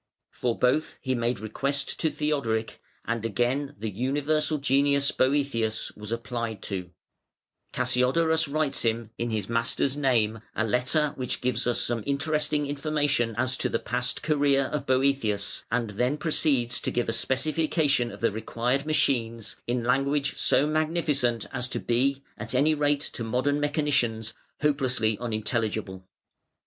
For both he made request to Theodoric, and again the universal genius Boëthius was applied to, Cassiodorus writes him, in his master's name, a letter which gives us some interesting information as to the past career of Boëthius, and then proceeds to give a specification of the required machines, in language so magnificent as to be, at any rate to modern mechanicians, hopelessly unintelligible.